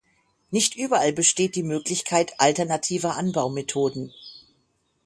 Nicht überall besteht die Möglichkeit alternativer Anbaumethoden.